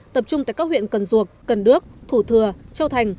tập trung tại các huyện cần duộc cần đước thủ thừa châu thành